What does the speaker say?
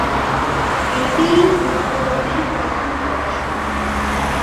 এটিই উদ্বোধনের প্রথম প্রকাশনা।